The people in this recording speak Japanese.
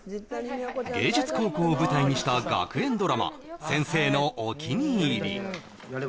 芸術高校を舞台にした学園ドラマ「先生のお気にいり！」